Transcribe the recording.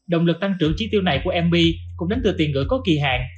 động lực tăng trưởng chi tiêu này của mv cũng đến từ tiền gửi có kỳ hạn